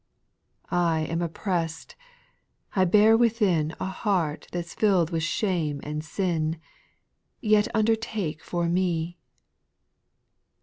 I am oppressed ; I bear within A heart that's fiU'd with shame and sin, Yet undertake for me I 5.